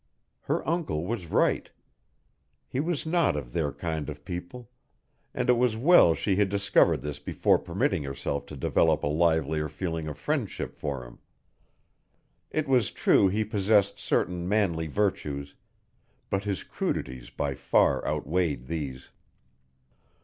Her uncle was right. He was not of their kind of people, and it was well she had discovered this before permitting herself to develop a livelier feeling of friendship for him. It was true he possessed certain manly virtues, but his crudities by far outweighed these.